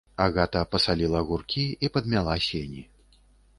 Агата пасаліла гуркі і падмяла сені.